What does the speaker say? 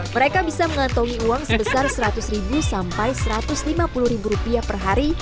mereka bisa mengantongi uang sebesar seratus ribu sampai satu ratus lima puluh per hari